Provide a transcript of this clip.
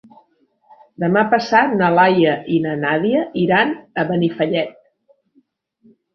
Demà passat na Laia i na Nàdia iran a Benifallet.